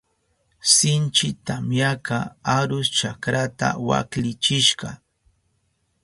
Sinchi tamyaka arus chakrata waklichishka.